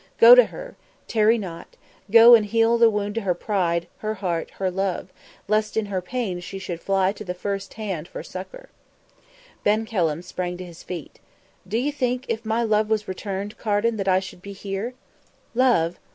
Go to her; tarry not; go and heal the wound to her pride, her heart, her love, lest in her pain she should fly to the first hand for succour." Ben Kelham sprang to his feet. "Do you think, if my love was returned, Carden, that I should be here?" "Love!"